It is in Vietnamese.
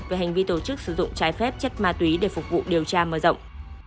về hành vi tổ chức sử dụng trái phép chất ma túy để phục vụ điều tra mở rộng